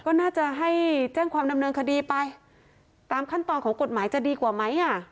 ก็น่าจะให้แจ้งความดำเนินคดีไปตามขั้นตอนของกฎหมายจะดีกว่าไหมอ่ะ